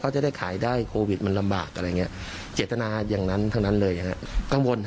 เขาจะได้ขายได้โควิดมันลำบากอะไรอย่างเงี้ยเจตนาอย่างนั้นทั้งนั้นเลยนะฮะกังวล